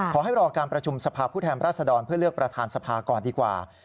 ขอให้รอการประชุมสภาพผู้แทนรัศดรเพื่อเลือกประธานสภาก่อนดีกว่า